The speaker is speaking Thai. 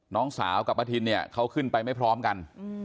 น้องสาวกับป้าทินเนี่ยเขาขึ้นไปไม่พร้อมกัน